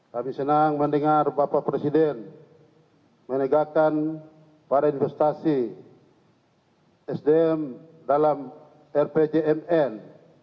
kami senang mendengar bapak presiden menegakkan para investasi sdm dalam rpjmn dua ribu sembilan belas dua ribu dua puluh empat